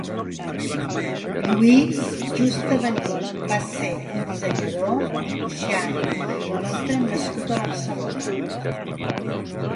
Lluís Juste de Nin va ser un dissenyador, dibuixant i guionista nascut a Barcelona.